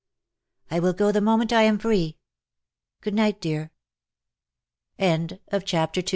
" I will go the moment I am free. Good night, dear.^' 43 CHAPTER